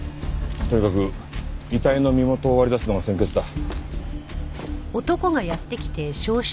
とにかく遺体の身元を割り出すのが先決だ。